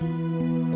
gitu ya bu